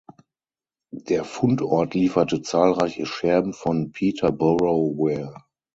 Der Fundort lieferte zahlreiche Scherben von Peterborough Ware.